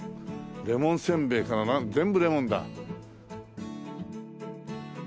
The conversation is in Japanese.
レモンせんべいから全部レモンだ。